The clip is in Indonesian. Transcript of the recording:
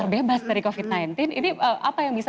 bebas dari covid sembilan belas ini apa yang bisa